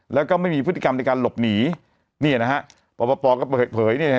แล้วก็ไม่มีพฤติกรรมในการหลบหนีเนี่ยนะครับปลอดก็เผยเนี่ยนะครับ